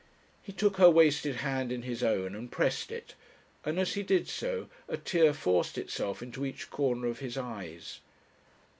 He took her wasted hand in his own and pressed it, and, as he did so, a tear forced itself into each corner of his eyes.